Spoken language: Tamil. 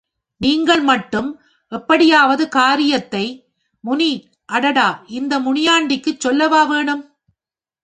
நீங்கள் மட்டும் எப்படியாவது காரியத்தை...... முனி அடாடா இந்த முனியாண்டிக்குச் சொல்லவா வேணும்.